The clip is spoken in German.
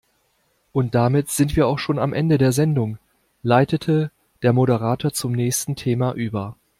Und damit sind wir auch schon am Ende der Sendung, leitete der Moderator zum nächsten Thema über.